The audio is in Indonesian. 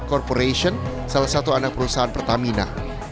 corporation salah satu anak perusahaan pertamina